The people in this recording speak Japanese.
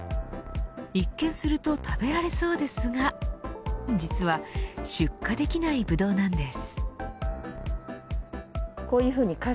一見すると、食べられそうですが実は出荷できないブドウなんです。